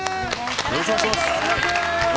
◆よろしくお願いします。